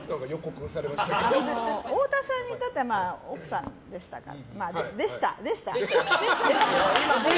太田さんに至っては奥さんでしたから。